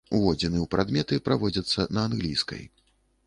Уводзіны ў прадметы праводзяцца на англійскай.